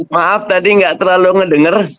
maaf tadi nggak terlalu ngedenger